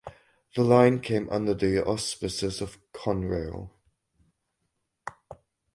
The line came under the auspices of Conrail.